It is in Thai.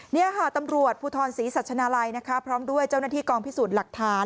นี่ค่ะตำรวจภูทรศรีสัชนาลัยนะคะพร้อมด้วยเจ้าหน้าที่กองพิสูจน์หลักฐาน